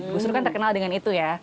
gusru kan terkenal dengan itu ya